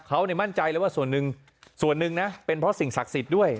เขาเนี่ยมั่นใจว่าส่วนหนึ่งเป็นเพราะสิ่งศักดิ์สิทธิ์